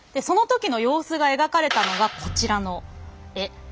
その時の様子が描かれたのがこちらの絵。